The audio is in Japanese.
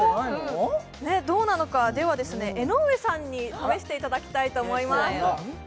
どうなのか、では江上さんに試していただきたいと思います。